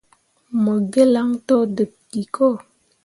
Mo gǝlaŋ to deb ki ko.